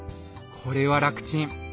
これは楽ちん。